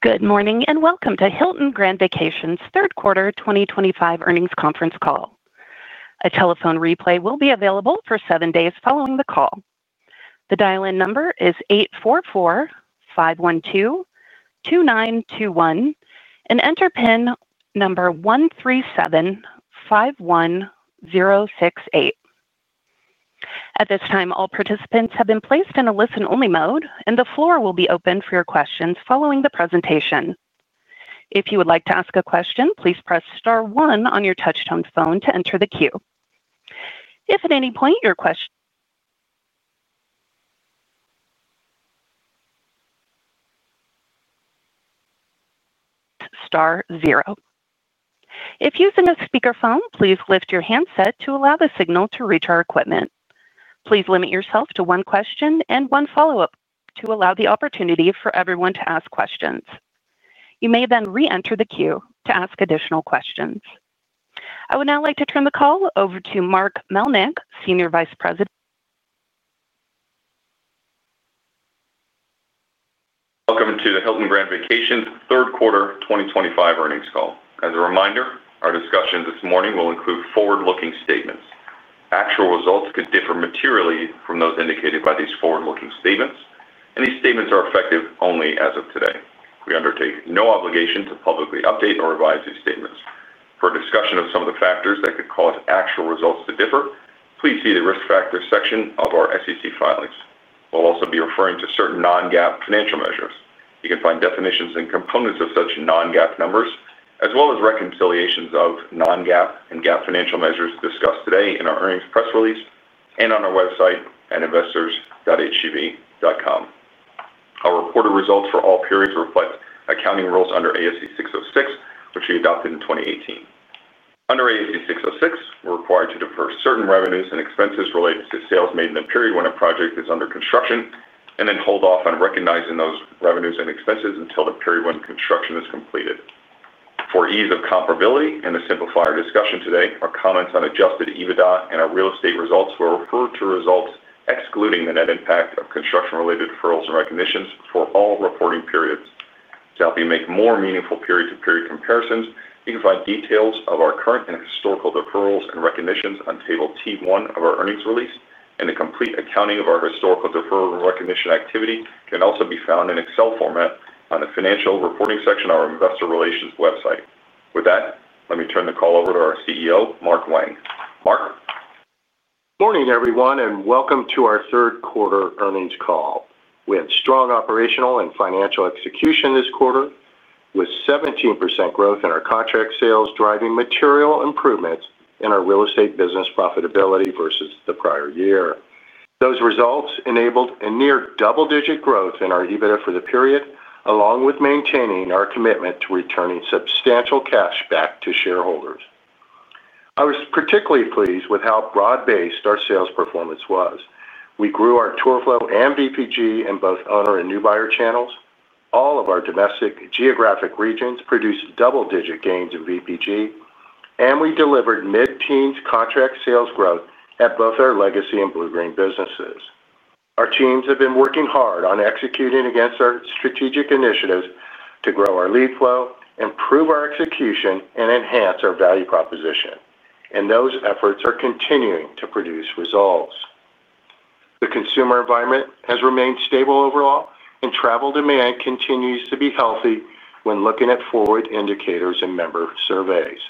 Good morning and welcome to Hilton Grand Vacations third quarter 2025 earnings conference call. A telephone replay will be available for seven days following the call. The dial-in number is 844-512-2921 and enter PIN number 13751068. At this time, all participants have been placed in a listen-only mode and the floor will be open for your questions following the presentation. If you would like to ask a question, please press Star one on your touchtone phone to enter the queue. If at any point your question, star zero. If using a speakerphone, please lift your handset to allow the signal to reach our equipment. Please limit yourself to one question and one follow-up to allow the opportunity for everyone to ask questions. You may then re-enter the queue to ask additional questions. I would now like to turn the call over to Mark Melnyk, Senior Vice President. Welcome to the Hilton Grand Vacations third quarter 2025 earnings call. As a reminder, our discussion this morning will include forward-looking statements. Actual results could differ materially from those indicated by these forward-looking statements, and these statements are effective only as of today. We undertake no obligation to publicly update or revise these statements. For a discussion of some of the factors that could cause actual results to differ, please see the Risk Factors section of our SEC filings. We'll also be referring to certain non-GAAP financial measures. You can find definitions and components of such non-GAAP numbers, as well as reconciliations of non-GAAP and GAAP financial measures discussed today in our earnings press release and on our website at investors.hgv.com. Our reported results for all periods reflect accounting rules under ASC 606, which we adopted in 2018. Under ASC 606, we're required to defer certain revenues and expenses related to sales made in the period when a project is under construction, and then hold off on recognizing those revenues and expenses until the period when construction is completed. For ease of comparability and to simplify our discussion today, our comments on adjusted EBITDA and our real estate results will refer to results excluding the net impact of construction-related deferrals and recognitions for all reporting periods. To help you make more meaningful period-to-period comparisons, you can find details of our current and historical deferrals and recognitions on table T1 of our earnings release, and a complete accounting of our historical deferral recognition activity can also be found in Excel format on the Financial Reporting section of our Investor Relations website. With that, let me turn the call over to our CEO, Mark Wang. Mark. Morning everyone and welcome to our third quarter earnings call. We had strong operational and financial execution this quarter with 17% growth in our contract sales driving material improvements in our real estate business profitability versus the prior year. Those results enabled a near double-digit growth in our EBITDA for the period, along with maintaining our commitment to returning substantial cash back to shareholders. I was particularly pleased with how broad-based our sales performance was. We grew our tour flow and VPG in both owner and new buyer channels. All of our domestic geographic regions produced double-digit gains in VPG, and we delivered mid-teens contract sales growth at both our Legacy and Bluegreen Vacations businesses. Our teams have been working hard on executing against our strategic initiatives to grow our lead flow, improve our execution, and enhance our value proposition, and those efforts are continuing to produce results. The consumer environment has remained stable overall, and travel demand continues to be healthy when looking at forward indicators and member surveys.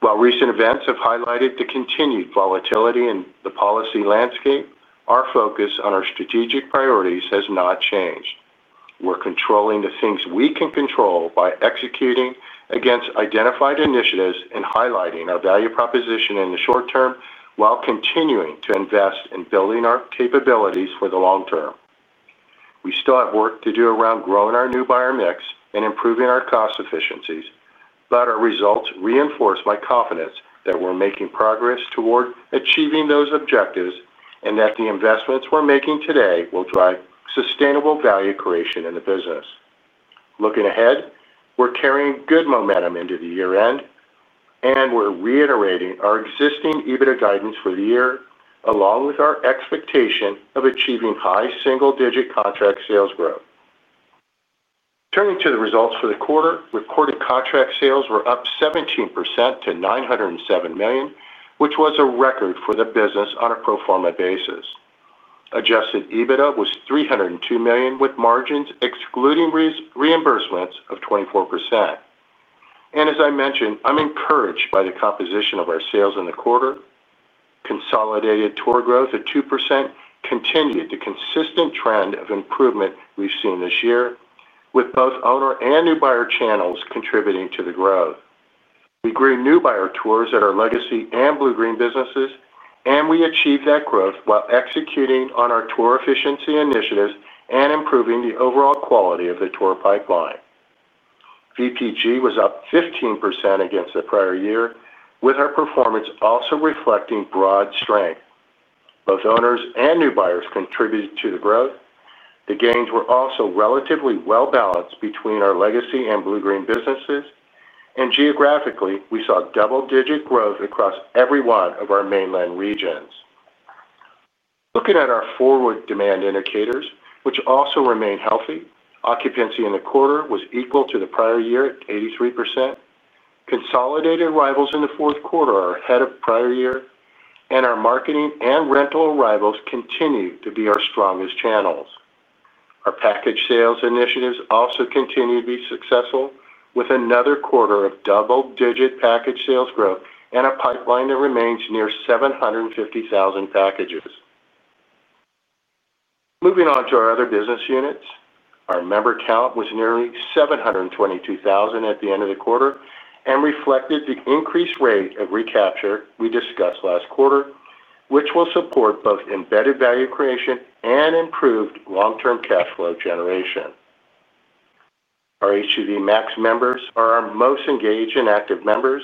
While recent events have highlighted the continued volatility in the policy landscape, our focus on our strategic priorities has not changed. We're controlling the things we can control by executing against identified initiatives and highlighting our value proposition in the short term while continuing to invest in building our capabilities for the long term. We still have work to do around growing our new buyer mix and improving our cost efficiencies, but our results reinforce my confidence that we're making progress toward achieving those objectives and that the investments we're making today will drive sustainable value creation in the business. Looking ahead, we're carrying good momentum into the year end, and we're reiterating our existing EBITDA guidance for the year along with our expectation of achieving high single-digit contract sales growth. Turning to the results for the quarter, recorded contract sales were up 17% to $907 million, which was a record for the business on a pro forma basis. Adjusted EBITDA was $302 million with margins excluding reimbursements of 24%. As I mentioned, I'm encouraged by the composition of our sales in the quarter. Consolidated tour growth at 2% continued the consistent trend of improvement we've seen this year, with both owner and new buyer channels contributing to the growth. We grew new buyer tours at our Legacy and Bluegreen Vacations businesses, and we achieved that growth while executing on our tour efficiency initiatives and improving the overall quality of the tour pipeline. VPG was up 15% against the prior year, with our performance also reflecting broad strength. Both owners and new buyers contributed to the growth. The gains were also relatively well balanced between our Legacy and Bluegreen Vacations businesses, and geographically we saw double-digit growth across every one of our mainland regions. Looking at our forward demand indicators, which also remain healthy, occupancy in the quarter was equal to the prior year at 83%. Consolidated arrivals in the fourth quarter are ahead of prior year, and our marketing and rental arrivals continue to be our strongest channels. Our package sales initiatives also continue to be successful, with another quarter of double-digit package sales growth and a pipeline that remains near 750,000 packages. Moving on to our other business units, our member count was nearly 722,000 at the end of the quarter and reflected the increased rate of recapture we discussed last quarter, which will support both embedded value creation and improved long-term cash flow generation. Our HGV Max members are our most engaged and active members,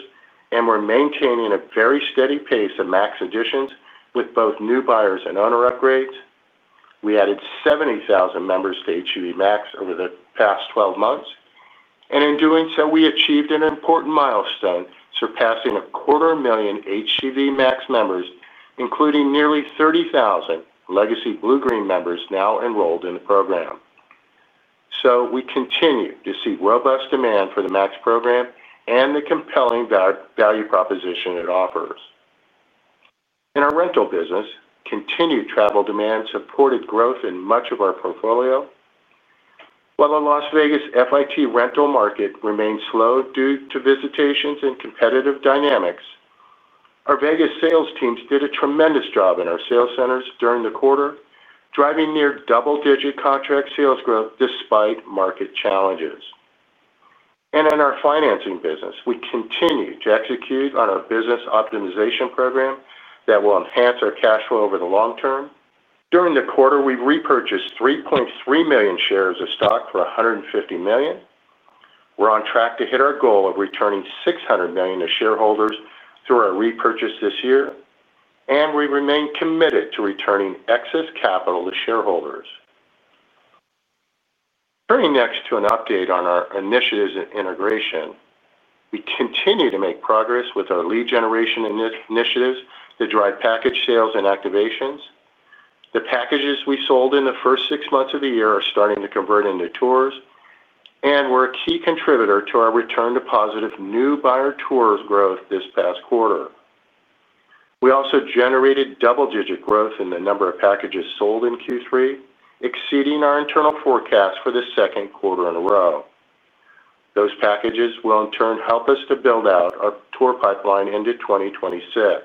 and we're maintaining a very steady pace of Max additions with both new buyers and owner upgrades. We added 70,000 members to HGV Max over the past 12 months, and in doing so we achieved an important milestone, surpassing a quarter million HGV Max members, including nearly 30,000 Legacy Bluegreen Vacations members now enrolled in the program. We continue to see robust demand for the Max program and the compelling value proposition it offers in our rental business. Continued travel demand supported growth in much of our portfolio. While the Las Vegas FIT rental market remains slow due to visitations and competitive dynamics, our Vegas sales teams did a tremendous job in our sales centers during the quarter, driving near double-digit contract sales growth despite market challenges. In our financing business, we continue to execute on our business optimization program that will enhance our cash flow over the long term. During the quarter, we repurchased 3.3 million shares of stock for $150 million. We're on track to hit our goal of returning $600 million to shareholders through our repurchase this year, and we remain committed to returning excess capital to shareholders. Turning next to an update on our initiatives and integration, we continue to make progress with our lead generation initiatives to drive package sales and activations. The packages we sold in the first six months of the year are starting to convert into tours and were a key contributor to our return to positive new buyer tours growth this past quarter. We also generated double-digit growth in the number of packages sold in Q3, exceeding our internal forecast for the second. Quarter in a row. Those packages will in turn help us to build out our tour pipeline into 2026.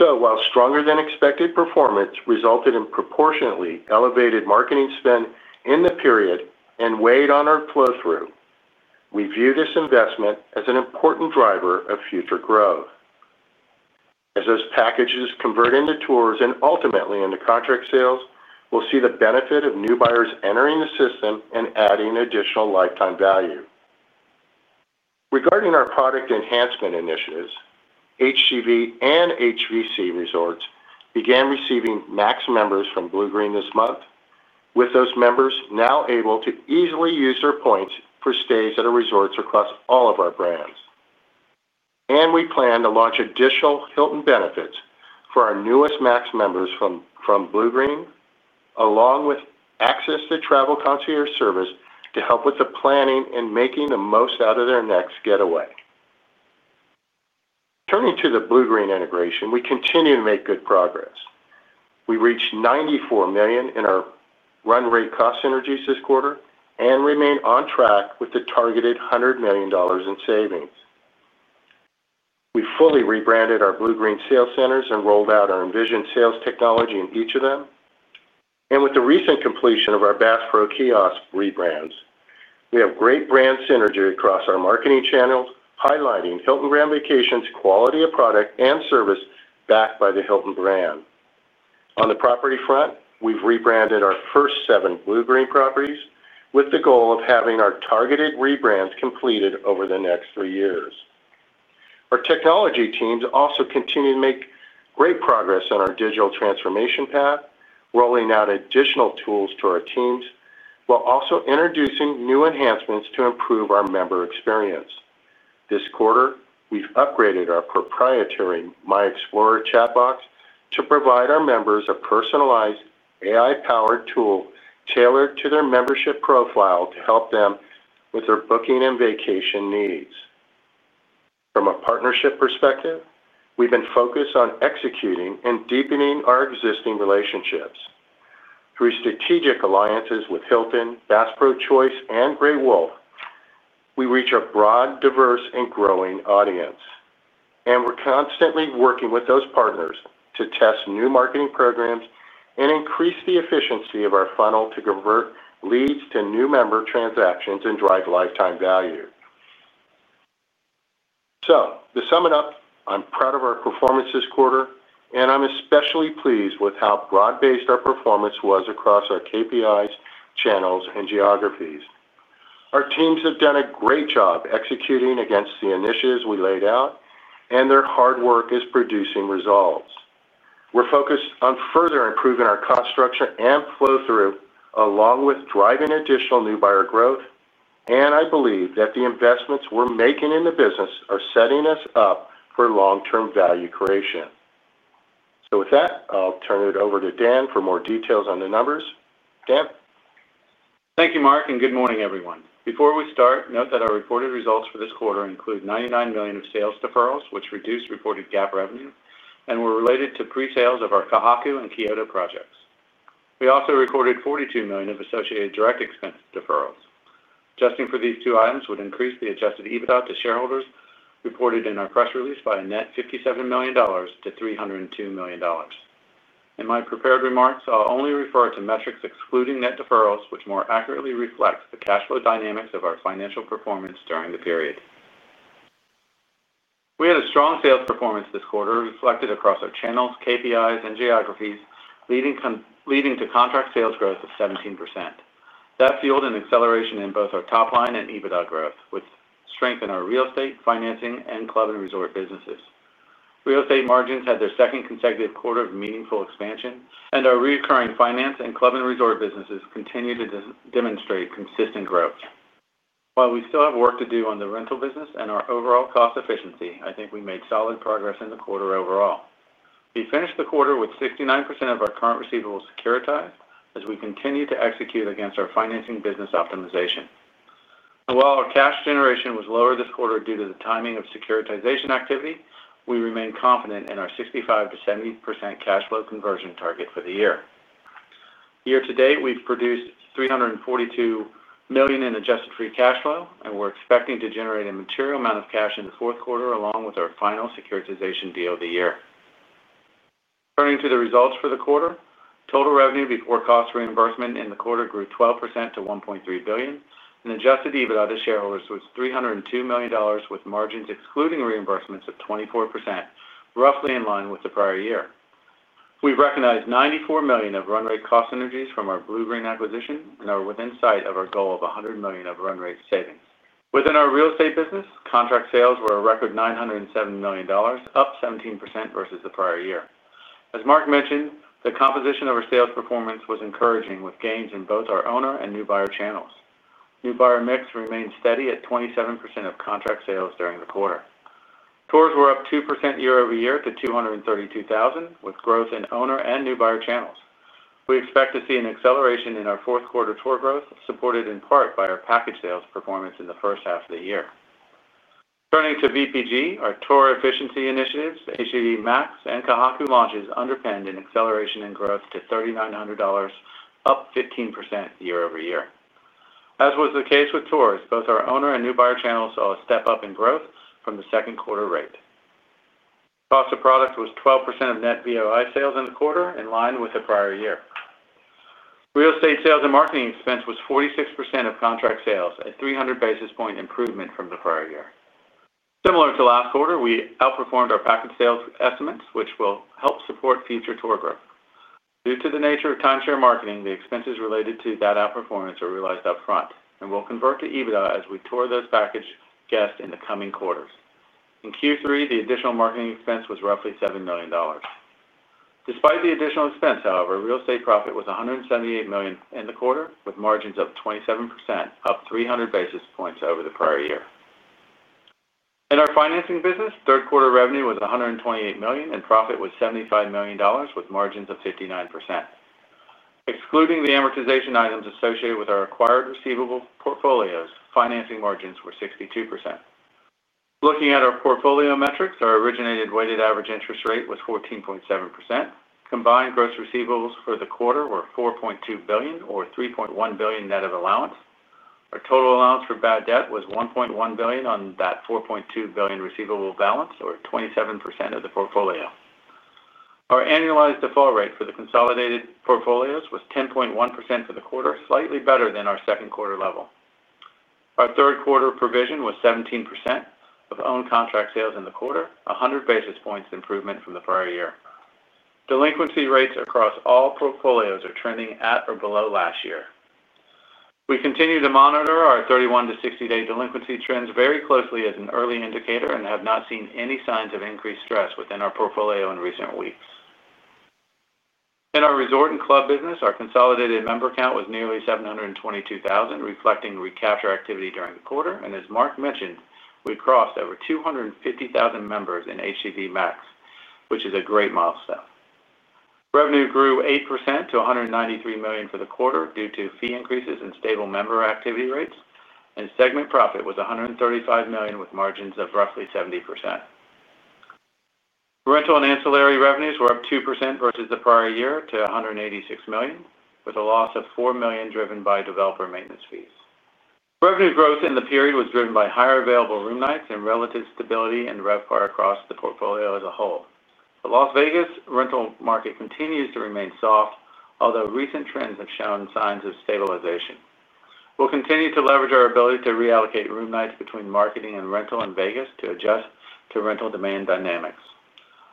While stronger than expected performance resulted in proportionately elevated marketing spend in the period and weighed on our flow through, we view this investment as an important driver of future growth as those packages convert into tours and ultimately into contract sales. We'll see the benefit of new buyers entering the system and adding additional lifetime value. Regarding our product enhancement initiatives, Hilton Grand Vacation Club and Hilton Vacation Club Resorts began receiving HGV Max members from Bluegreen Vacations this month, with those members now able to easily use their points for stays at resorts across all of our brands. We plan to launch additional Hilton benefits for our newest HGV Max members from Bluegreen Vacations along with access to travel concierge service to help with the planning and making the most out of their next getaway. Turning to the Bluegreen Vacations integration, we continue to make good progress. We reached $94 million in our run-rate cost synergies this quarter and remain on track with the targeted $100 million in savings. We fully rebranded our Bluegreen Vacations sales centers and rolled out our envisioned sales technology in each of them. With the recent completion of our Bass Pro kiosk rebrands, we have great brand synergy across our marketing channels highlighting Hilton Grand Vacations, quality of product and service backed. By the Hilton brand. On the property front, we've rebranded our first seven Bluegreen Vacations properties with the goal of having our targeted rebrands completed over the next three years. Our technology teams also continue to make great progress on our digital transformation path, rolling out additional tools to our teams while also introducing new enhancements to improve our member experience. This quarter we've upgraded our proprietary My Explorer chat box to provide our members a personalized AI-powered tool tailored to their membership profile to help them with their booking and vacation needs. From a partnership perspective, we've been focused on executing and deepening our existing relationships through strategic alliances with Hilton, Bass Pro Shops, and Grey Wolf. We reach a broad, diverse, and growing audience, and we're constantly working with those partners to test new marketing programs and increase the efficiency of our funnel to convert leads to new member transactions and drive lifetime value. To sum it up, I'm proud of our performance this quarter and I'm especially pleased with how broad-based our performance was across our KPIs, channels, and geographies. Our teams have done a great job executing against the initiatives we laid out, and their hard work is producing results. We're focused on further improving our cost structure and flow through along with driving additional new buyer growth, and I believe that the investments we're making in the business are setting us up for long-term value creation. With that, I'll turn it over to Dan for more details on the numbers. Deb, thank you Mark, and good morning everyone. Before we start, note that our reported results for this quarter include $99 million of sales deferrals, which reduced reported GAAP revenue and were related to pre-sales of our Kohaku and Kyoto projects. We also recorded $42 million of associated direct expense deferrals. Adjusting for these two items would increase the adjusted EBITDA to shareholders reported in our press release by a net $57 million-$302 million. In my prepared remarks, I'll only refer to metrics excluding net deferrals, which more accurately reflect the cash flow dynamics of our financial performance during the period. We had a strong sales performance this quarter, reflected across our channels, KPIs, and geographies, leading to contract sales growth of 17% that fueled an acceleration in both our top line and EBITDA growth, with strength in our real estate, financing, and club and resort businesses. Real estate margins had their second consecutive quarter of meaningful expansion, and our recurring finance and club and resort businesses continue to demonstrate consistent growth. While we still have work to do on the rental business and our overall cost efficiency, I think we made solid progress in the quarter. Overall, we finished the quarter with 69% of our current receivables securitized as we continue to execute against our financing business optimization. While our cash generation was lower this quarter due to the timing of securitization activity, we remain confident in our 65%-70% cash flow conversion target for the year. Year to date, we've produced $342 million in adjusted free cash flow, and we're expecting to generate a material amount of cash in the fourth quarter along with our final securitization deal of the year. Turning to the results for the quarter, total revenue before cost reimbursement in the quarter grew 12% to $1.3 billion, and adjusted EBITDA to shareholders was $302 million, with margins excluding reimbursements of 24%, roughly in line with the prior year. We've recognized $94 million of run-rate cost synergies from our Bluegreen Vacations acquisition and are within sight of our goal of $100 million of run-rate savings within our real estate business. Contract sales were a record $907 million, up 17% versus the prior year. As Mark mentioned, the composition of our sales performance was encouraging, with gains in both our owner and new buyer channels. New buyer mix remained steady at 27% of contract sales during the quarter. Tours were up 2% year over year to 232,000. With growth in owner and new buyer channels, we expect to see an acceleration in our fourth quarter. Tour growth was supported in part by our package sales performance in the first half of the year. Turning to VPG, our tour efficiency initiatives, HGV Max and Kohaku launches, underpinned an acceleration in growth to $3,900, up 15% year over year. As was the case with tours, both our owner and new buyer channels saw a step up in growth from the second quarter. Rate cost of product was 12% of net VOI sales in the quarter, in line with the prior year. Real estate sales and marketing expense was 46% of contract sales, a 300 basis point improvement from the prior year. Similar to last quarter, we outperformed our package sales estimates, which will help support future tour growth. Due to the nature of timeshare marketing, the expenses related to that outperformance are realized up front and will convert to EBITDA as we tour those package guests in the coming quarters. In Q3, the additional marketing expense was roughly $7 million. Despite the additional expense, however, real estate profit was $178 million in the quarter with margins of 27%, up 300 basis points over the prior year. In our financing business, third quarter revenue was $128 million and profit was $75 million with margins of 59%. Excluding the amortization items associated with our acquired receivable portfolios, financing margins were 62%. Looking at our portfolio metrics, our originated weighted average interest rate was 14.7%. Combined gross receivables for the quarter were $4.2 billion or $3.1 billion net of allowance. Our total allowance for bad debt was $1.1 billion on that $4.2 billion receivable balance, or 27% of the portfolio. Our annualized default rate for the consolidated portfolios was 10.1% for the quarter, slightly better than our second quarter level. Our third quarter provision was 17% of owned contract sales in the quarter, a 100 basis point improvement from the prior year. Delinquency rates across all portfolios are trending at or below last year. We continue to monitor our 31 days-60 days delinquency trends very closely as an early indicator and have not seen any signs of increased stress within our portfolio in recent weeks. In our resort and club business, our consolidated member count was nearly 722,000 reflecting recapture activity during the quarter and as Mark mentioned, we crossed over 250,000 members in HGV Max, which is a great milestone. Revenue grew 8% to $193 million for the quarter due to fee increases and stable member activity rates, and segment profit was $135 million with margins of roughly 70%. Rental and ancillary revenues were up 2% versus the prior year to $186 million with a loss of $4 million driven by developer maintenance fees. Revenue growth in the period was driven by higher available room nights and relative stability and RevPAR across the portfolio as a whole. The Las Vegas rental market continues to remain soft, although recent trends have shown signs of stabilization. We will continue to leverage our ability to reallocate room nights between marketing and rental in Vegas to adjust to rental demand dynamics.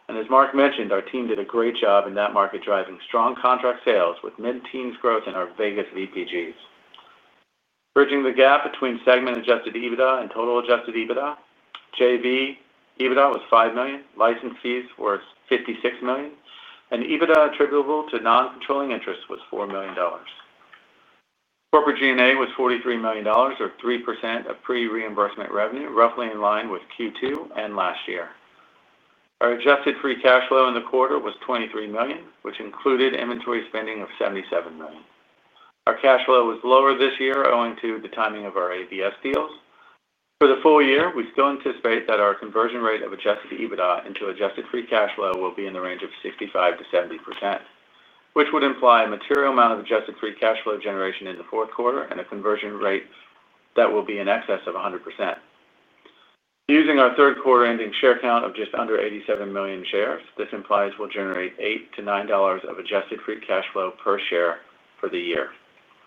As Mark mentioned, our team did a great job in that market driving strong contract sales with mid-teens growth in our Vegas VPGs, bridging the gap between segment adjusted EBITDA and total adjusted EBITDA. JV EBITDA was $5 million, license fees were $56 million, and EBITDA attributable to non-controlling interest was $4 million. Corporate G&A was $43 million or 3% of pre-reimbursement revenue, roughly in line with Q2 and last year. Our adjusted free cash flow in the quarter was $23 million, which included inventory spending of $77 million. Our cash flow was lower this year owing to the timing of our ABS deals. For the full year, we still anticipate that our conversion rate of adjusted EBITDA into adjusted free cash flow will be in the range of 65%-70%, which would imply a material amount of adjusted free cash flow generation in the fourth quarter and a conversion rate that will be in excess of 100%. Using our third quarter ending share count of just under 87 million shares, this implies we will generate $8-$9 of adjusted free cash flow per share for the year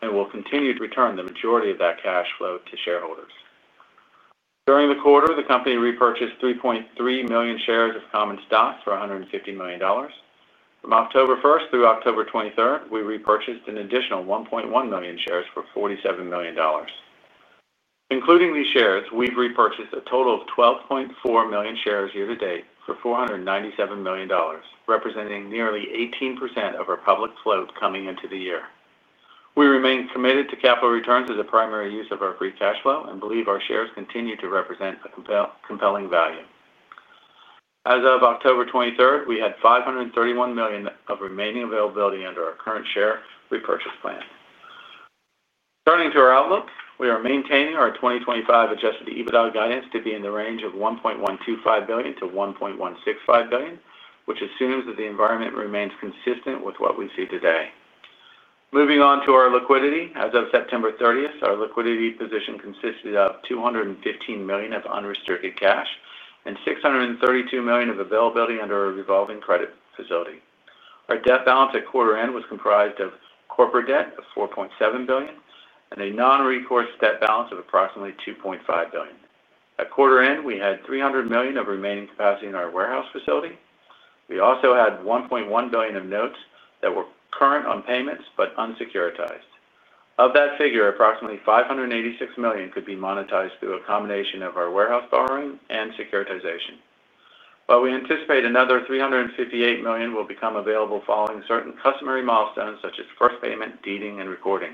and will continue to return the majority of that cash flow to shareholders. During the quarter, the company repurchased 3.3 million shares of common stock for $150 million. From October 1st through October 23rd, we repurchased an additional 1.1 million shares for $47 million. Including these shares, we have repurchased a total of 12.4 million shares year to date for $497 million, representing nearly 18% of our public float coming into the year. We remain committed to capital returns as a primary use of our free cash flow and believe our shares continue to represent a compelling value. As of October 23rd, we had $531 million of remaining availability under our current share repurchase plan. Turning to our outlook, we are maintaining our 2025 adjusted EBITDA guidance to be in the range of $1.125 billion-$1.165 billion, which assumes that the environment remains consistent with what we see today. Moving on to our liquidity, as of September 30th, our liquidity position consisted of $215 million of unrestricted cash and $632 million of availability under a revolving credit facility. Our debt balance at quarter end was comprised of corporate debt of $4.7 billion and a non-recourse debt balance of approximately $2.5 billion. At quarter end, we had $300 million of remaining capacity in our warehouse facility. We also had $1.1 billion of notes that were current on payments but unsecuritized. Of that figure, approximately $586 million could be monetized through a combination of our warehouse borrowing and securitization, while we anticipate another $358 million will become available following certain customary milestones such as first payment, deeding, and recording.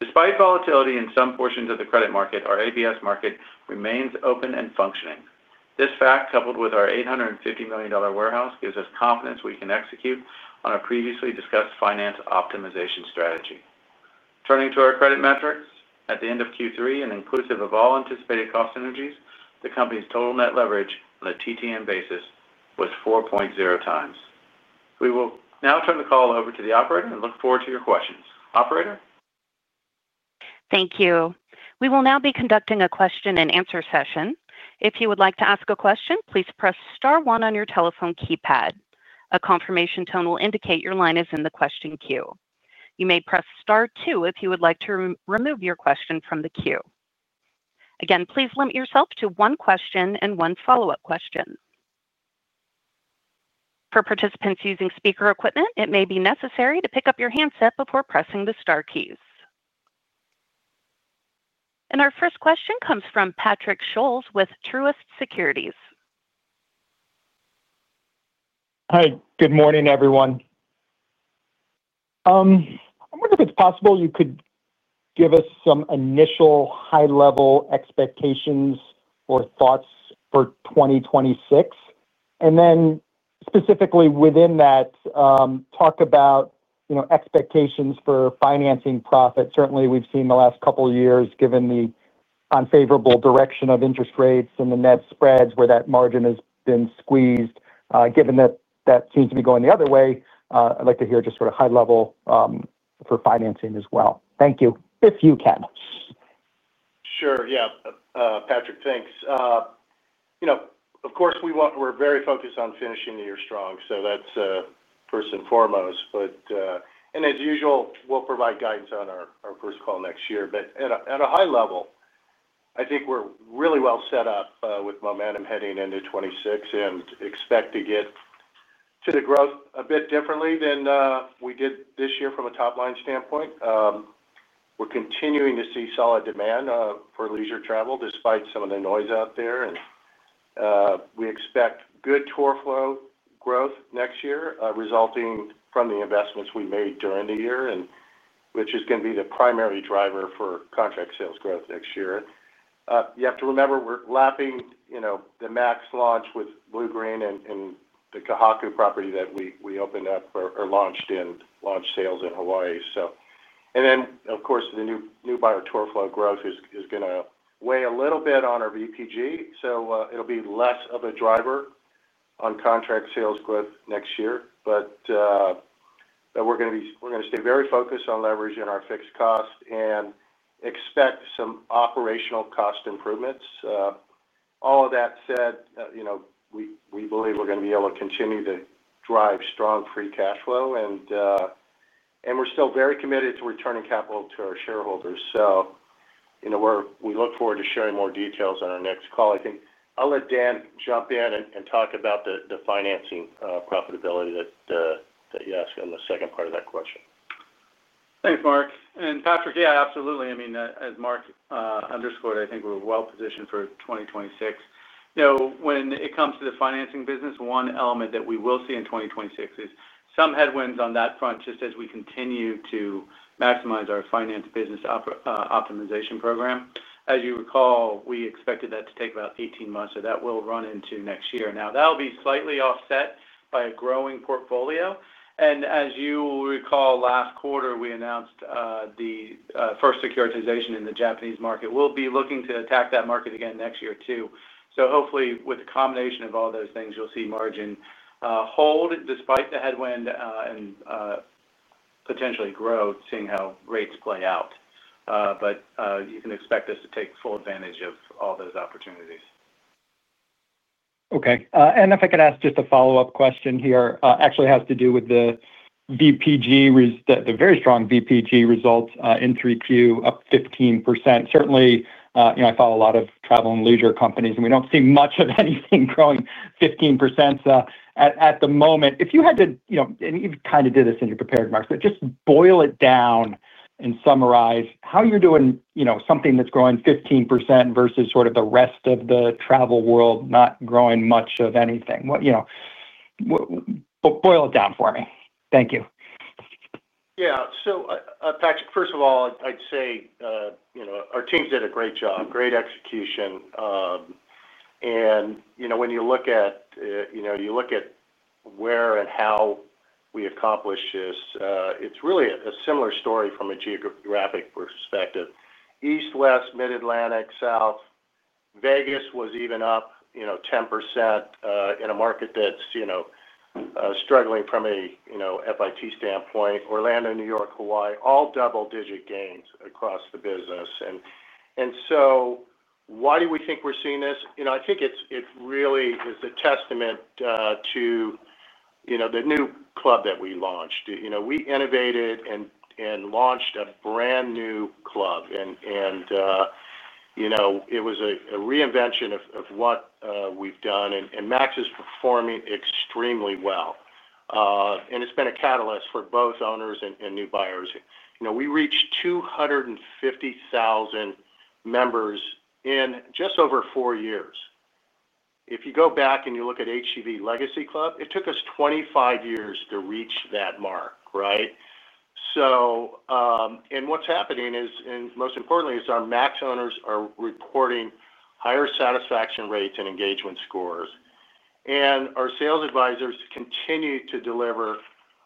Despite volatility in some portions of the credit market, our ABS market remains open and functioning. This fact, coupled with our $850 million warehouse, gives us confidence we can execute on a previously discussed finance optimization strategy. Turning to our credit metrics at the end of Q3, and inclusive of all anticipated cost synergies, the company's total net leverage on a TTM basis was 4.0 times. We will now turn the call over to the operator and look forward to your questions. Operator. Thank you. We will now be conducting a question and answer session. If you would like to ask a question, please press star one on your telephone keypad. A confirmation tone will indicate your line is in the question queue. You may press star two if you would like to remove your question from the queue. Again, please limit yourself to one question and one follow up question. For participants using speaker equipment, it may be necessary to pick up your handset before pressing the star keys. Our first question comes from Charles Patrick Scholes with Truist Securities. Hi, good morning everyone. I wonder if it's possible you could give us some initial high level expectations or thoughts for 2026, and then specifically within that talk about, you know, expectations for financing profit. Certainly we've seen the last couple years, given the unfavorable direction of interest rates and the net spreads, where that margin has been squeezed. Given that that seems to be going the other way, I'd like to hear just sort of high level for financing as well. Thank you. If you can. Sure. Yeah, Patrick, thanks. You know, of course we want. We're very focused on finishing the year. That's first and foremost. But. As usual, we'll provide guidance on our first call next year. At a high level, I think we're really well set up with momentum heading into 2026 and expect to get to the growth a bit differently than before. We did this year. From a top line standpoint, we're continuing. To see solid demand for leisure travel despite some of the noise out there. We expect good tour flow growth next year resulting from the investments we made during the year, which is. Going to be the primary driver for contract sales growth next year. You have to remember we're lapping, you know, the HGV Max launch with Bluegreen Vacations and the Kohaku property that we opened up or launched in launch sales in Hawaii. So. Of course, the new buyer tour flow growth is going to weigh. A little bit on our VPG. It'll be less of a driver. On contract sales growth next year. But. We're going to stay very focused. On leveraging our fixed cost and expect some operational cost improvements. All of that said, we believe we're. Going to be able to continue to. Drive strong free cash flow, and we're. Still very committed to returning capital to our shareholders. We look forward to sharing more details on our next call. I think I'll let Dan jump in and talk about the financing profitability that you ask on the second part of that question. Thanks, Mark and Patrick. Yeah, absolutely. I mean, as Mark underscored, I think we're well positioned for 2026. When it comes to the financing business, one element that we will see in 2026 is some headwinds on that front. Just as we continue to maximize our finance business optimization program, as you recall, we expected that to take about 18 months. That will run into next year. That will be slightly offset by a growing portfolio. As you recall, last quarter we announced the first securitization in the Japanese market. We'll be looking to attack that market again next year too. Hopefully, with a combination of all those things, you'll see margin hold despite the headwind and potentially grow, seeing how rates play out. You can expect us to take. Full advantage of all those opportunities. Okay, if I could ask just a follow up question here actually. To do with the VPG. The very strong VPG results in 3Q, up 15%. Certainly. You know, I follow a lot of travel and leisure companies, and we don't see much of anything growing 15% at the moment. If you had to, you know, and you kind of did this in your prepared remarks, just boil it down and summarize how you're doing something that's growing 15% versus sort of the rest of the travel world not growing much of anything. What? You know, boil it down for me. Thank you. Yeah. So Patrick, first of all, I'd say our teams did a great job, great execution. When you look at where and how we accomplish this, it's really a similar story from a geographic perspective. East, West, Mid Atlantic, South, Vegas was even up 10% in a market that's struggling from a fit standpoint. Orlando, New York, Hawaii, all double-digit gains across the business. Why do we think we're seeing this? I think it really is a testament to the new club that we launched. We innovated and launched a brand new club. It was a reinvention of what we've done. MAX is performing extremely well. It's been a catalyst for both owners and new buyers. We reached 250,000 members in just over four years. If you go back and you look at HGV Legacy Club, it took us 25 years to reach that mark. What's happening is, and most importantly, our MAX owners are reporting higher satisfaction rates and engagement scores, and our sales advisors continue to deliver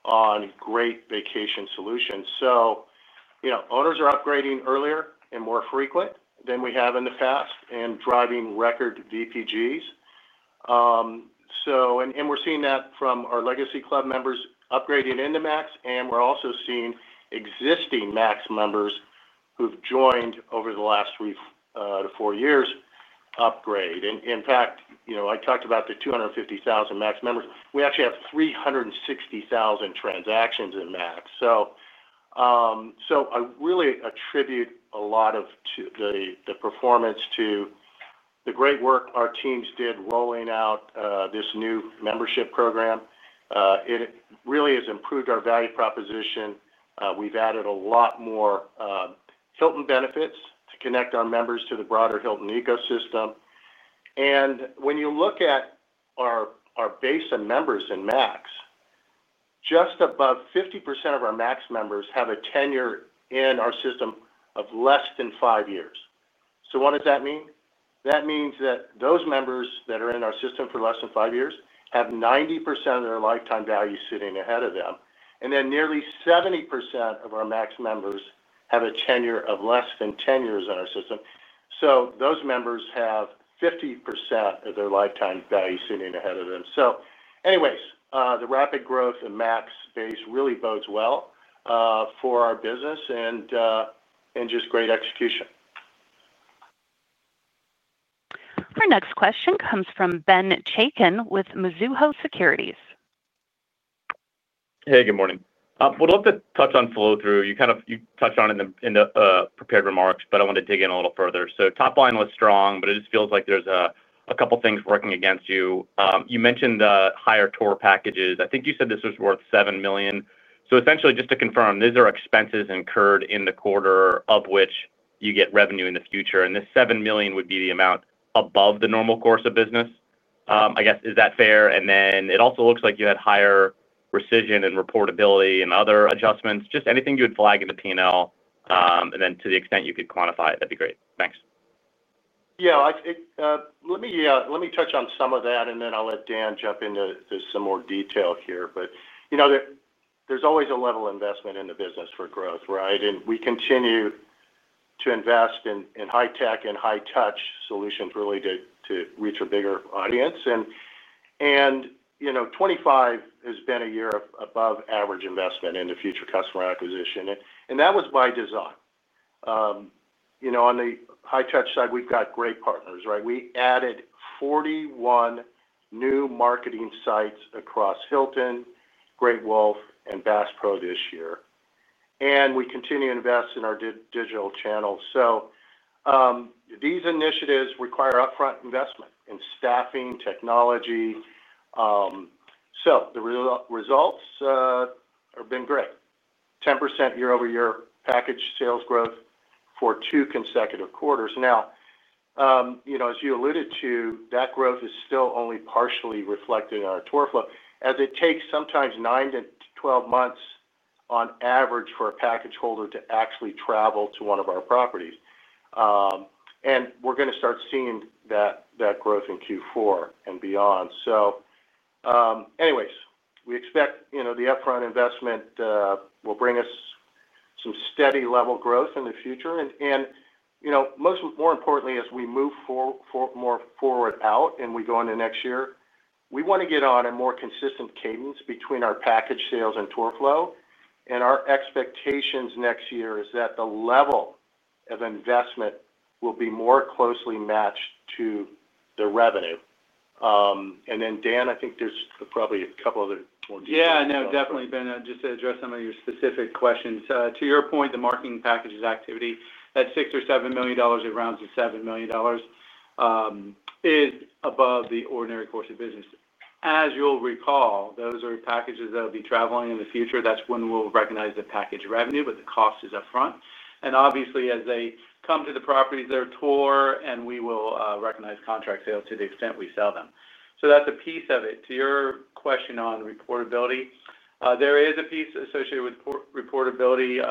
on great vacation solutions. Owners are upgrading earlier and more frequent than we have in the past and driving record VPGs. We're seeing that from our Legacy Club members upgrading into MAX, and we're also seeing existing MAX members who've joined over the last three to four years upgrade. In fact, I talked about the 250,000 MAX members. We actually have 360,000 transactions in MAX. I really attribute a lot of the performance to the great work our teams did rolling out this new membership program. It really has improved our value proposition. We've added a lot more Hilton benefits to connect our members to the broader Hilton ecosystem. When you look at our base and members in MAX, just above 50% of our MAX members have a tenure in our system of less than five years. What does that mean? That means that those members that are in our system for less than five years have 90% of their lifetime value sitting ahead of them. Nearly 70% of our MAX members have a tenure of less than 10 years on our system, so those members have 50% of their lifetime value sitting ahead of them. The rapid growth of MAX's base really bodes well for our business and just great execution. Our next question comes from Benjamin Nicolas Chaiken with Mizuho Securities USA LLC. Hey, good morning. We'd love to touch on flow through. Kind of. You touched on it in the prepared remarks, but I want to dig in a little further. Top line was strong, but it just feels like there's a couple things working against you. You mentioned higher tour packages. I think you said this was worth $7 million. Essentially, just to confirm, these are expenses incurred in the quarter of which you get revenue in the future. This $7 million would be the amount above the normal course of business, I guess. Is that fair? It also looks like you had higher rescission and reportability and other adjustments. Just anything you would flag in the P&L, and to the extent you could quantify it, that'd be great. Thanks. Yeah, let me touch on some of that, and then I'll let Dan jump into some more detail here. There's always a level of investment in the business for growth, right? We continue to invest in high tech and high touch solutions really to reach a bigger audience. 2025 has been a year of above average investment in future customer acquisition, and that was by design. On the high touch side, we've got great partners, right? We added 41 new marketing sites across Hilton, Great Wolf, and Bass Pro this year, and we continue to invest in our digital channels. These initiatives require upfront investment in staffing and technology. The results have been great. 10% year-over-year package sales growth. For two consecutive quarters now, as you alluded to, that growth is still only partially reflected in our tour flow as it takes sometimes 9 months-12 months on average for a package holder to actually travel to one of our properties. We're going to start seeing that growth in Q4 and beyond. We expect the upfront investment will bring us some steady. Level growth in the future. More importantly, as we move forward and we go into next year, we want to get on a more consistent cadence between our package sales and tour flow. Our expectations next year are that the level of investment will be more closely matched to the revenue. Dan, I think there's probably a couple other. Yeah, no, definitely. Ben, just to address some of your specific questions, to your point, the marketing packages activity at $6 million or $7 million, it rounds at $7 million, is above the ordinary course of business. As you'll recall, those are packages that will be traveling in the future, that's when we'll recognize the package revenue, but the cost is up front. Obviously, as they come to the properties, they're tour and we will recognize contract sales to the extent we sell them. That's a piece of it. To your question on reportability, there is a piece associated with reportability.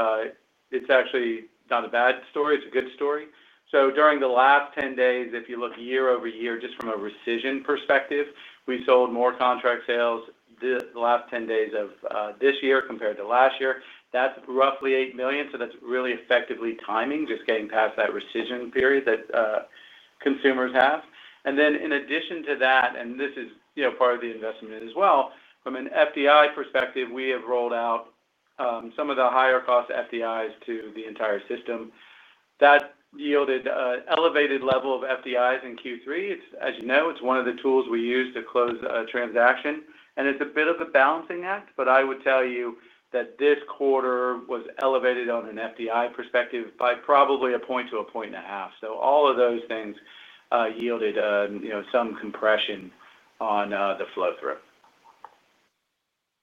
It's actually not a bad story. It's a good story. During the last 10 days, if you look year over year, just from a rescission perspective, we sold more contract sales the last 10 days of this year compared to last year. That's roughly $8 million. That's really effectively timing, just getting past that rescission period that consumers have. In addition to that, and this is part of the investment as well from an FDI perspective, we have rolled out some of the higher cost FDIs to the entire system that yielded elevated level of FDIs in Q3. As you know, it's one of the tools we use to close a transaction and it's a bit of a balancing act. I would tell you that this quarter was elevated on an FDI perspective by probably a point to a point and a half. All of those things yielded some compression on the flow through.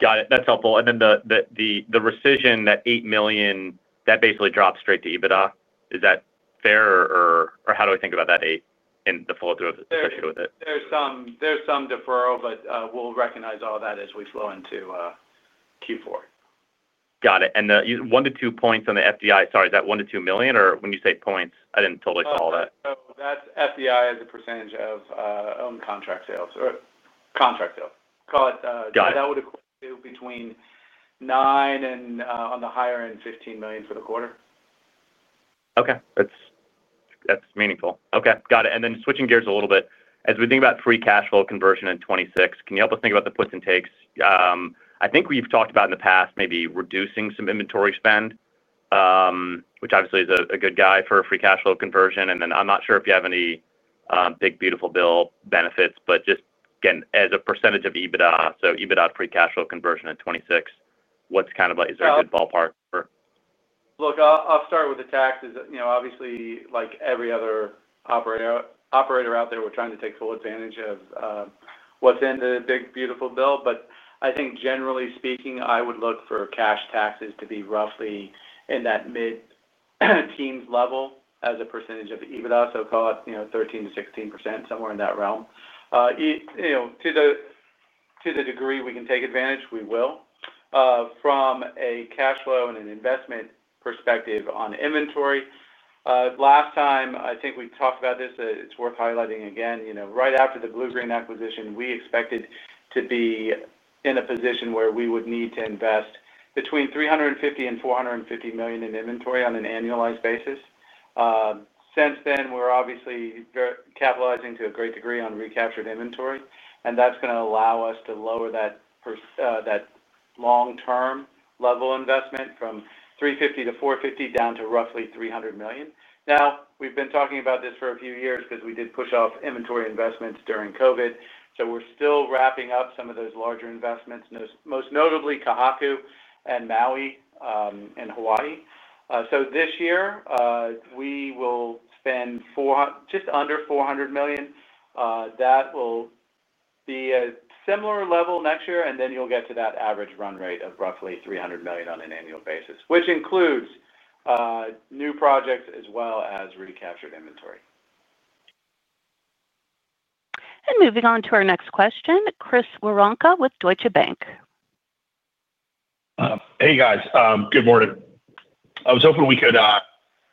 Got it. That's helpful. The rescission, that $8 million that basically dropped straight to EBITDA, is that fair or how do I think about that $8 million in the flow through associated with it? There's some deferral, but we'll recognize all that as we flow into Q4. Got it. 1 to 2 points on the FDI. Sorry, is that 1 to 2 million or when you say points? I didn't totally see that. That's FDI as a percentage of owned contract sales or contract sales, call it. Got it. That would equal between $9 million and, on the higher end, $15 million for the quarter. Okay, that's meaningful. Okay, got it. Switching gears a little bit, as we think about free cash flow conversion in 2026, can you help us think about the puts and takes I think we've talked about in the past? Maybe reducing some inventory spending, which obviously is a good guy for free cash flow conversion. I'm not sure if you have any big beautiful bill benefits, but just again as a percentage of EBITDA. EBITDA, free cash flow conversion at 2026. What's kind of. Is there a good ballpark? Look, I'll start with the taxes. Obviously, like every other operator out there, we're trying to take full advantage of what's in the big beautiful bill. I think generally speaking I would look for cash taxes to be roughly in that mid-teens level as a percentage of EBITDA. Call it 13%-16% somewhere in that realm. To the degree we can take advantage, we will from a cash flow and an investment perspective on inventory. Last time I think we talked about this, it's worth highlighting again. Right after the Bluegreen Vacations acquisition, we expected to be in a position where we would need to invest between $350 million and $450 million in inventory on an annualized basis. Since then, we're obviously capitalizing to a great degree on recaptured inventory and that's going to allow us to lower that long-term level investment from $350 million-$450 million down to roughly $300 million. We've been talking about this for a few years because we did push off inventory investments during COVID. We're still wrapping up some of those larger investments, most notably Kohaku and Maui in Hawaii. This year we will spend just under $400 million. That will be a similar level next year, and then you'll get to that average run-rate of roughly $300 million on an annual basis, which includes new projects as well as recaptured inventory. Moving on to our next question, Chris Woronka with Deutsche Bank. Hey guys, good morning. I was hoping we could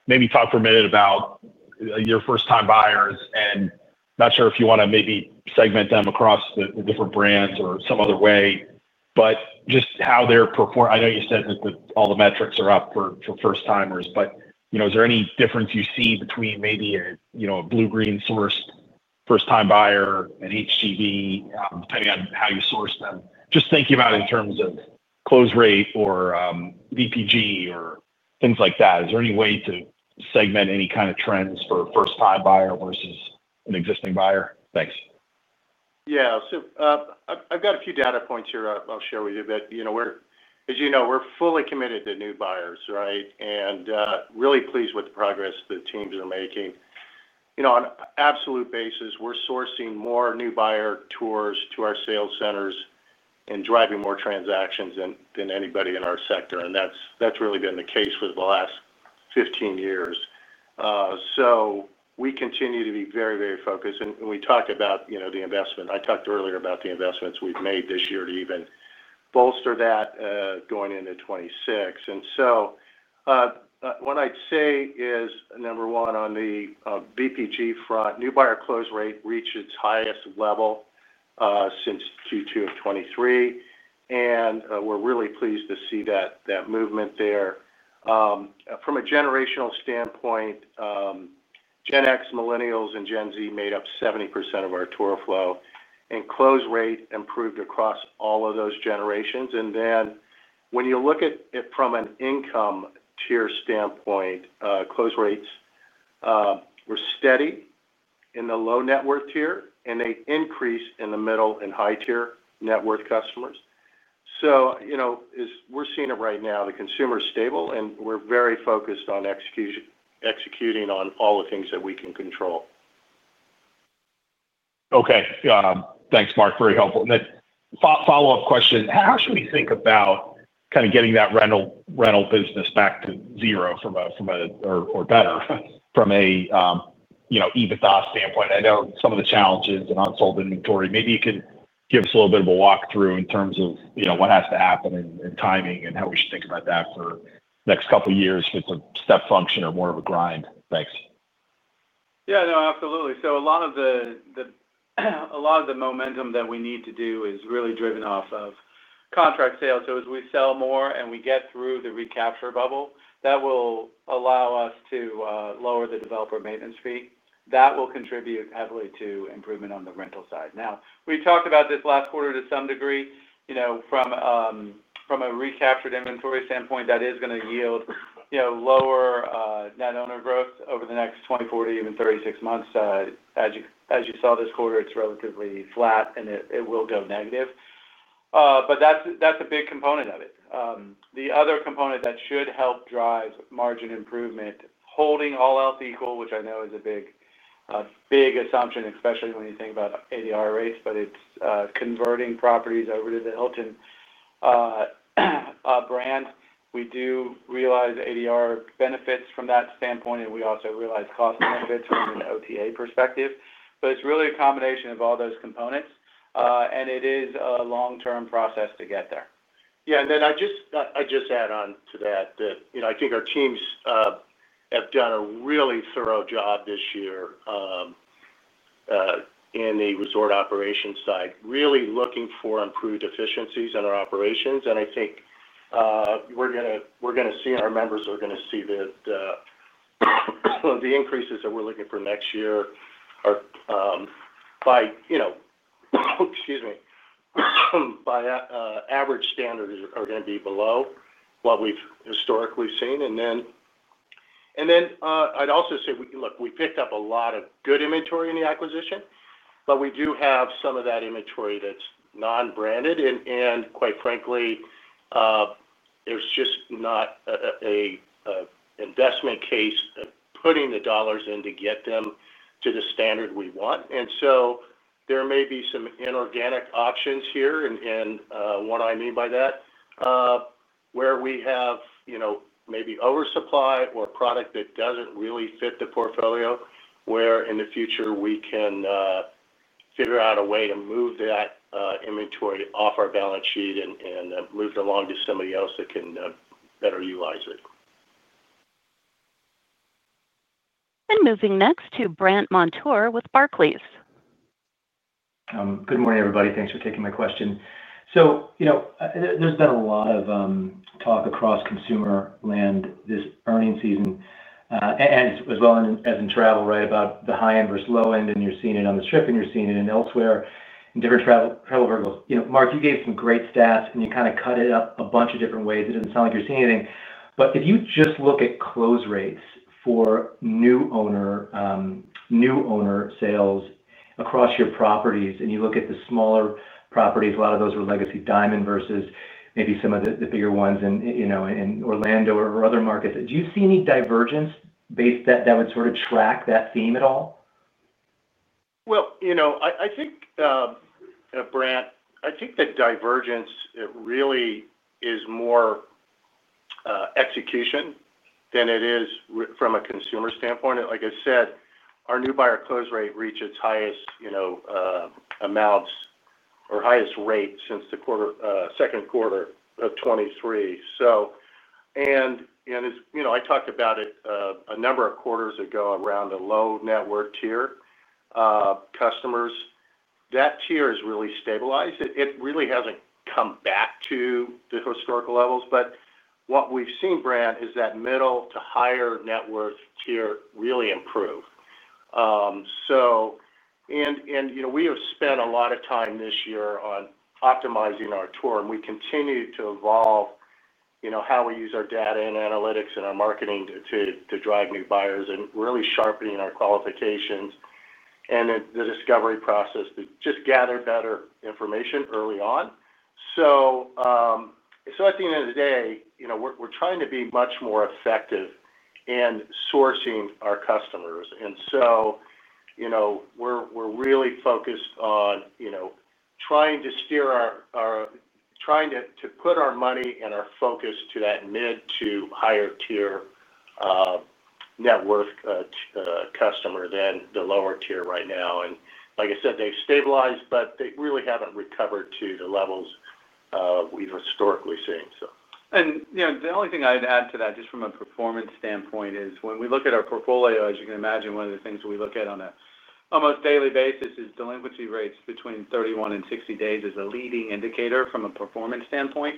maybe talk for a minute about your first time buyers and not sure if you want to maybe segment them across the different brands or some other way, but just how they're performing. I know you said all the metrics are up for first timers, but you know, is there any difference you see between maybe a, you know, a Bluegreen Vacations source first time buyer and HGV depending on how you source them? Just thinking about in terms of close rate or VPG or things like that, is there any way to segment any kind of trends for first time buyer versus an existing buyer? Thanks. Yeah, I've got a few data. Points here I'll share with you. As you know, we're fully committed to new buyers, and really pleased with the progress the teams are making. On an absolute basis, we're sourcing more new buyer tours to our sales centers and driving more transactions than anybody in our sector. That's really been the case for the last 15 years. We continue to be very, very focused, and we talk about the investment. I talked earlier about the investments we've made this year to even bolster that going into 2026. What I'd say is, number one, on the VPG front, new buyer close rate reached its highest level since Q2 2023, and we're really pleased to see that movement there. From a generational standpoint, Gen X, millennials, and Gen Z made up 70% of our tour flow, and close rate improved across all of those generations. When you look at it from an income tier standpoint, close rates were steady in the low net worth tier, and they increased in the middle and high tier net worth customers. We're seeing it right now. The consumer is stable, and we're very focused on executing on all the things that we can control. Okay, thanks Mark. Very helpful follow-up question. How should we think about kind of getting that rental business back to zero or better from an EBITDA standpoint? I know some of the challenges and unsold inventory. Maybe you can give us a little bit of a walkthrough in terms of what has to happen and timing and how we should think about that for the next couple years. If it's a step function or more of a grind. Thanks. Yeah, no, absolutely. A lot of the momentum that we need to do is really driven off of contract sales. As we sell more and we get through the recapture bubble, that will allow us to lower the developer maintenance fee, which will contribute heavily to improvement on the rental side. We talked about this last quarter to some degree. From a recaptured inventory standpoint, that is going to yield lower net owner growth over the next 24 to even 36 months. As you saw this quarter, it's relatively flat and it will go negative, but that's a big component of it. The other component that should help drive margin improvement, holding all else equal, which I know is a big, big assumption, especially when you think about ADR rates, is converting properties over to the Hilton. Brand. We do realize ADR benefits from that standpoint, and we also realize cost benefits from an OTA perspective. It's really a combination of all those components, and it is a long-term process to get there. I think our teams have done a really thorough job this year in the resort operations side, really looking for improved efficiencies in our operations. I think we're going to see our members are going to see that the increases that we're looking for next year are, by average standards, going to be below what we've historically seen. I'd also say, look, we picked up a lot of good inventory in the acquisition, but we do have some of that inventory that's non-branded. Quite frankly, there's just not an investment case putting the dollars in to get them to the standard we want. There may be some inorganic options here. What I mean by that is where we have maybe oversupply or product that doesn't really fit the portfolio, where in the future we can figure out a way to move that inventory off our balance sheet and move it along to somebody else that can better utilize it. Moving next to Brandt Antoine Montour with Barclays Bank PLC. Good morning, everybody. Thanks for taking my question. There's been a lot. Of talk across consumer land this earnings. Season as well as in travel. Right, about the high end versus low end. You are seeing it on the strip. You are seeing it elsewhere in different travel verticals. You know, Mark, you gave some great. Stats and you kind of cut it. Up a bunch of different ways. It didn't sound like you're seeing anything. If you just look at close. Rates for new owner, new owner sales. Across your properties and you look at. The smaller properties, a lot of those were legacy Diamond versus maybe some of. The bigger ones in Orlando or other markets. Do you see any divergence that would? Sort of track that theme at all? I think, Brandt, that divergence really is more execution than it is from a consumer standpoint. Like I said, our new buyer close rate reached its highest amounts or highest rate since the second quarter of 2023. I talked about it a number of quarters ago around a low net worth tier customers. That tier is really stabilized. It really hasn't come back to the historical levels. What we've seen, Brandt, is that middle to higher net worth tier really improve. We have spent a lot of time this year on optimizing our tour and we continue to evolve how we use our data and analytics and our marketing to drive new buyers and really sharpening our qualifications and the discovery process to just gather better information early on. At the end of the day, we're trying to be much more effective in sourcing our customers. We're really focused on trying to steer our, trying to put our money and our focus to that mid to higher tier net worth customer than the lower tier right now. Like I said, they've stabilized, but they really haven't recovered to the levels we've historically seen. The only thing I'd add to that, just from a performance standpoint, is when we look at our portfolio, as you can imagine, one of the things we look at on an almost daily basis is delinquency rates between 31 and 60 days as a leading indicator from a performance standpoint.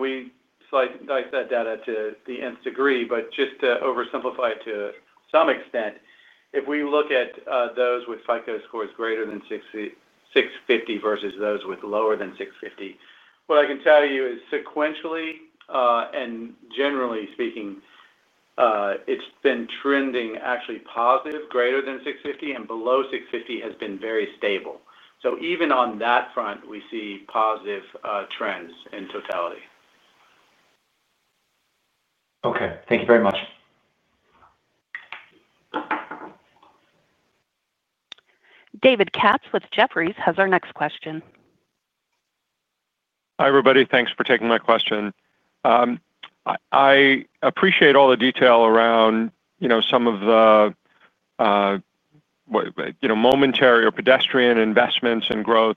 We dice that data to the nth degree. Just to oversimplify it to some extent, if we look at those with FICO scores greater than 650 versus those with lower than 650, what I can tell you is sequentially and generally speaking, it's been trending actually positive greater than 650 and below 650 has been very stable. Even on that front, we see positive trends in totality. Okay, thank you very much. David Katz with Jefferies has our next question. Hi everybody. Thanks for taking my question. I appreciate all the detail around you. Some of the. You know, momentary or pedestrian investments and growth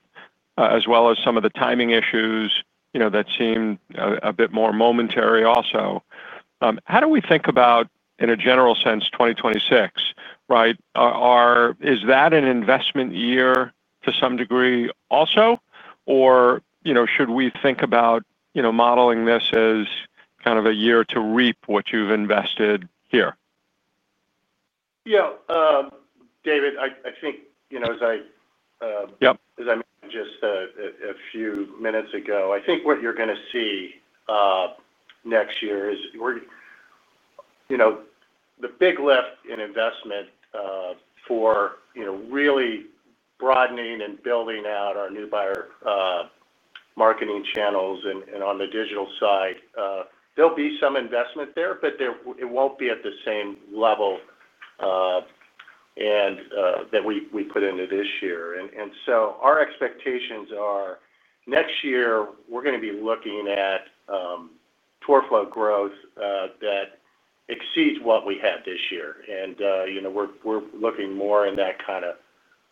as well as some of the timing issues that seem a bit more momentary also. How do we think about, in a general sense, 2026? Right. Is that an investment year to some degree also, or should we think about modeling this as kind of a year to reap what you've invested here? Yeah, David, I think as I just said a few minutes ago, I think what you're going to see next year is the big lift in investment for really broadening and building out our new buyer marketing channels. On the digital side, there'll be some investment there, but it won't be at the same level. Put into this year. Our expectations are next year we're going to be looking at tour flow growth that exceeds what we had this year. We're looking more in that kind of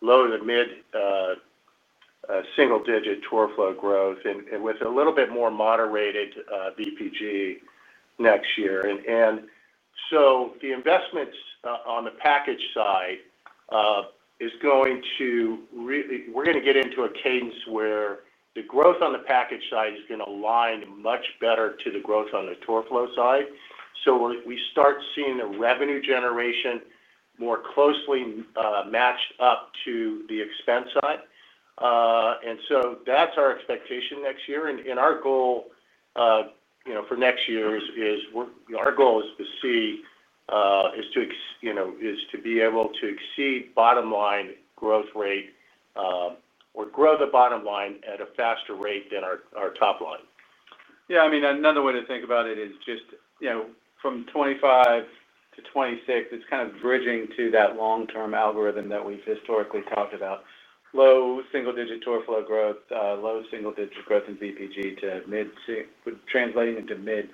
low to mid single digit tour flow growth with a little bit more moderated VPG next year. The investments on the package side are going to really get into a cadence where the growth on the package side is going to align much better to the growth on the tour flow side. We start seeing the revenue generation more closely matched up to the expense side. That's our expectation next year. Our goal for next year is to be able to exceed bottom line growth rate or grow the bottom line at a faster rate than our top line. Yeah, I mean, another way to think about it is just, you know, from 2025 to 2026, it's kind of bridging to that long-term algorithm that we've historically talked about. Low single digit tour flow growth, low single digit growth in VPG to mid, translating into mid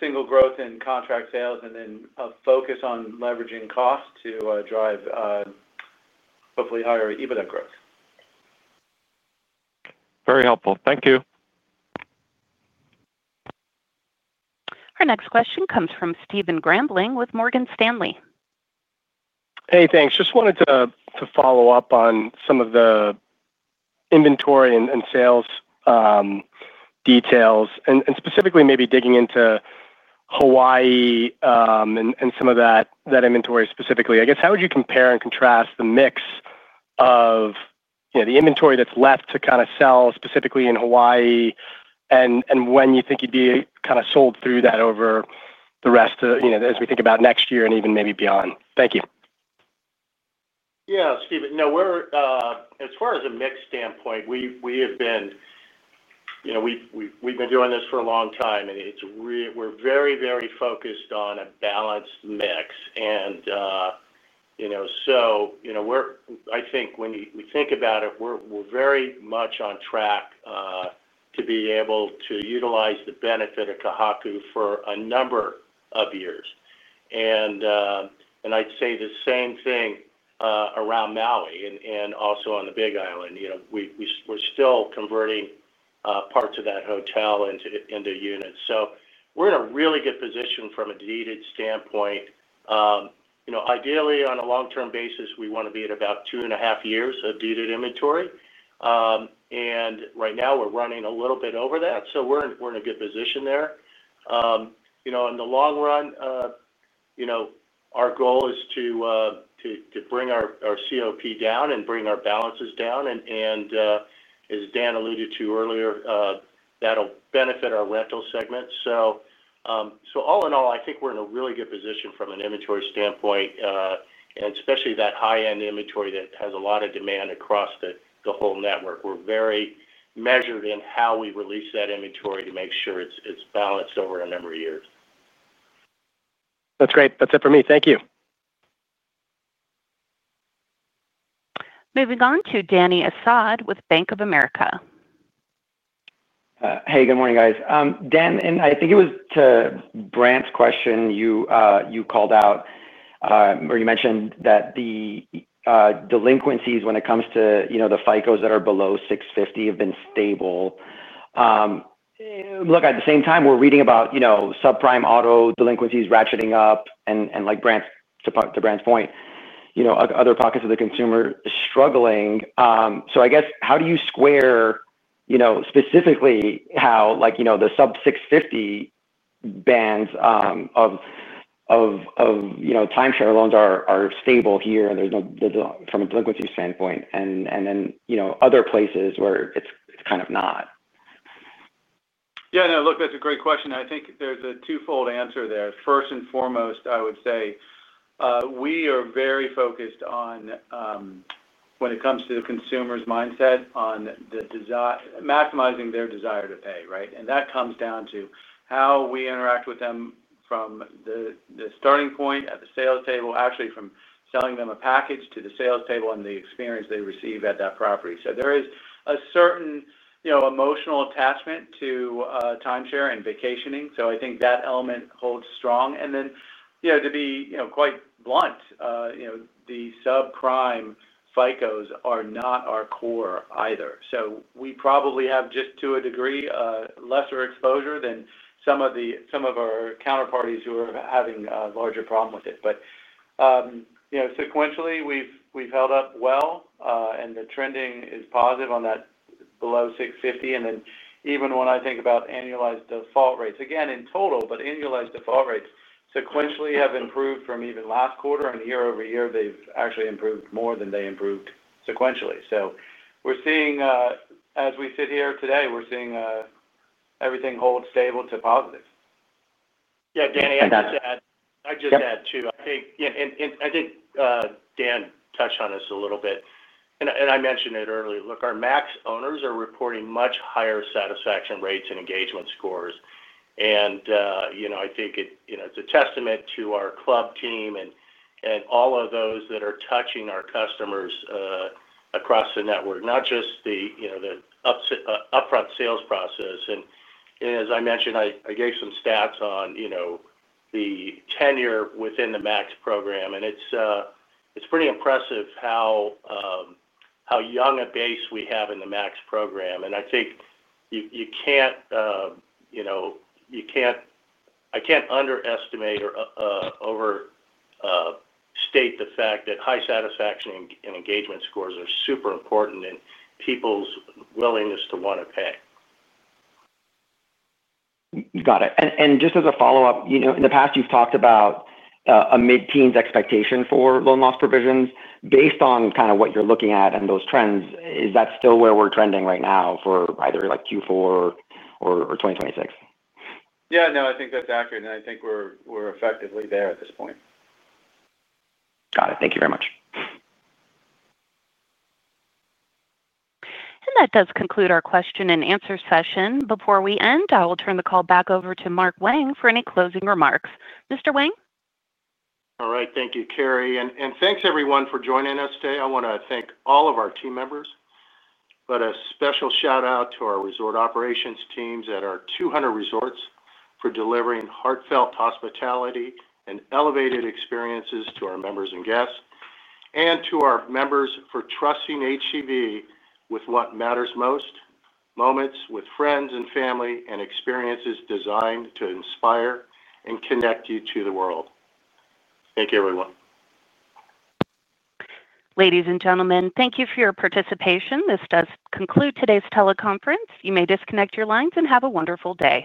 single growth in contract sales, and then a focus on leveraging cost to drive hopefully higher adjusted EBITDA growth. Very helpful, thank you. Our next question comes from Stephen White Grambling with Morgan Stanley. Hey, thanks. Just wanted to follow up on some. Of the inventory and sales details, and specifically maybe digging into Hawaii and some of that inventory. Specifically, I guess, how would you compare? Contrast the mix of the inventory that's left to kind of sell specifically in Hawaii and when you think you'd be kind of sold through that over the rest, as we think about next year and even maybe beyond. Thank you. Yeah, Steven, as far as a mix standpoint, we have been doing this for a long time and we're very, very focused on a balanced mix. We're very much on track to be able to utilize the benefit of Kohaku for a number of years. I'd say the same thing around Maui and also on the Big Island. We're still converting parts of that hotel into units, so we're in a really good position from a deeded standpoint. Ideally, on a long term basis, we want to be at about two and a half years of deeded inventory, and right now we're running a little bit over that, so we're in a good position there. In the long run, our goal is to bring our COP down and bring our balances down, and as Dan alluded to earlier, that'll benefit our rental segment. All in all, I think we're in a really good position from an inventory standpoint, and especially that high end inventory that has a lot of demand across the whole network. We're very measured in how we release that inventory to make sure it's balanced over a number of years. That's great. That's it for me. Thank you. Moving on to Daniel Schwartz with Bank of America. Hey, good morning guys. Dan and I think it was to Brandt's question, you called out or you mentioned that the delinquencies, when it comes to the FICOs that are below 650, have been stable. At the same time, we're reading about subprime auto delinquencies ratcheting up and to Brandt's point, other pockets of the consumer struggling. I guess how do you square, specifically how the sub 650 bands of timeshare loans are stable here and there's no, from a delinquency standpoint, and then other places where it's kind of not. Yeah, no, look, that's a great question. I think there's a twofold answer there. First and foremost, I would say we are very focused on, when it comes to the consumer's mindset, on maximizing their desire to pay. That comes down to how we interact with them from the starting point at the sales table, actually from selling them a package to the sales table and the experience they receive at that property. There is a certain emotional attachment to timeshare and vacationing, so I think that element holds strong. To be quite blunt, the subprime FICO scores are not our core either. We probably have, to a degree, lesser exposure than some of our counterparties who are having a larger problem with it. Sequentially, we've held up well and the trending is positive on that below 650. Even when I think about annualized default rates, again in total, annualized default rates sequentially have improved from even last quarter, and year over year they've actually improved more than they improved sequentially. As we sit here today, we're seeing everything hold stable to positive. Yeah, Danny, I'd just add too, I think Dan touched on this a little bit and I mentioned it earlier. Our MAX owners are reporting much higher satisfaction rates and engagement scores. I think it is a testament to our club team and all of those that are touching our customers across the network, not just the upfront sales process. As I mentioned, I gave some stats on the tenure within the MAX program and it's pretty impressive how young a base we have in the MAX program. I think you can't, you know, I can't underestimate or overstate the fact that high satisfaction and engagement scores are super important in people's willingness to want to pay. Got it. Just as a follow up, you know in the past you've talked about a mid teens expectation for loan loss provisions based on kind of what you're looking at and those trends, is that still where we're trending right now either like Q4 or 2026? Yeah. No, I think that's accurate, and I think we're effectively there at this point. Got it. Thank you very much. That does conclude our question and answer session. Before we end, I will turn the call back over to Mark Wang for any closing remarks. Mr. Wang? All right. Thank you, Carrie. Thank you, everyone, for joining us today. I want to thank all of our team members, with a special shout out to our resort operations teams at our 200 resorts for delivering heartfelt hospitality and elevated experiences to our members and guests. I also want to thank our members for trusting Hilton Grand Vacations with what matters most, moments with friends and family and experiences designed to inspire and connect you to the world. Thank you, everyone. Ladies and gentlemen, thank you for your participation. This does conclude today's teleconference. You may disconnect your lines and have a wonderful day.